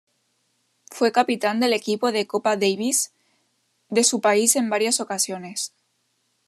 Fue capitán del equipo de "Copa Davis" de su país en varias ocasiones.